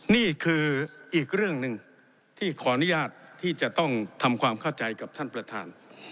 นี่คืออีกเรื่องหนึ่งที่ขออนุญาตที่จะต้องทำความเข้าใจกับท่านประธาน